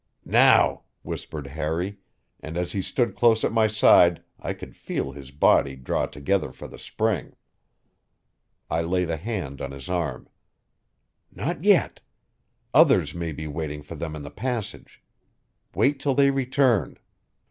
"Now," whispered Harry, and as he stood close at my side I could feel his body draw together for the spring. I laid a hand on his arm. "Not yet. Others may be waiting for them in the passage. Wait till they return."